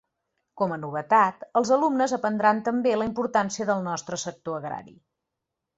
Com a novetat, els alumnes aprendran també la importància del nostre sector agrari.